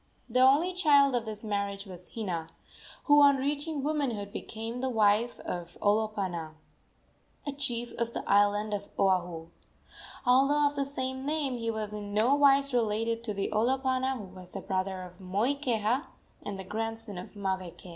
The only child of this marriage was Hina, who on reaching womanhood became the wife of Olopana, a chief of the island of Oahu. Although of the same name, he was in nowise related to the Olopana who was the brother of Moikeha and grandson of Maweke.